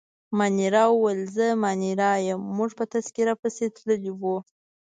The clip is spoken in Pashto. مانیرا وویل: زه مانیرا یم، موږ په تذکیره پسې تللي وو.